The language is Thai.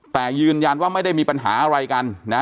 แต่ยืนยันว่าไม่ได้มีปัญหาอะไรกันนะ